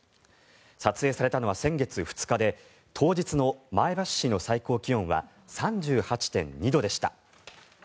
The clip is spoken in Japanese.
撮影されたのは先月２日で当日の前橋市の最高気温は３８．２度でした。